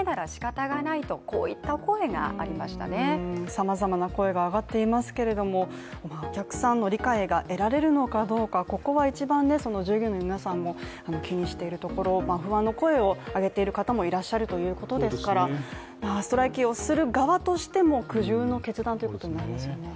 さまざまな声があがっていますけれども、お客さんの理解が得られるのかどうかここが一番従業員の皆さんも気にしているところ不安の声を上げてる方もいらっしゃるということですからストライキをする側としても苦渋の決断ということになりますよね。